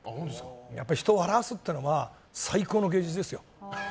やっぱり人を笑わすっていうのは最高の芸術ですよ。